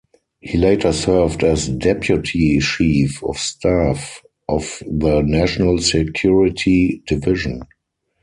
He later served as deputy chief of staff of the National Security Division.